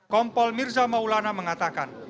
kompol mirza maulana mengatakan